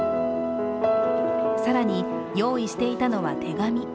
更に、用意していたのは手紙。